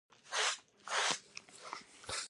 د خولې کنټرول نه لري.